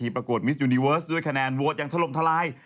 ปรากฏมิสยูนิเวิร์สด้วยคะแนนโวทย์อย่างทะลมทะลาย